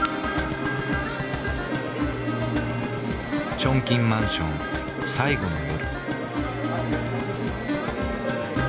チョンキンマンション最後の夜。